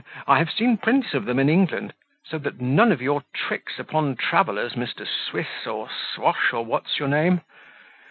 I have seen prints of them in England, so that none of your tricks upon travellers, Mr. Swiss or Swash, or what's your name."